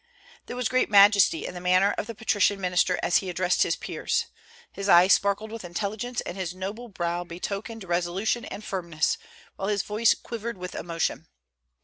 There was great majesty in the manner of the patrician minister as he addressed his peers; his eye sparkled with intelligence, and his noble brow betokened resolution and firmness, while his voice quivered with emotion.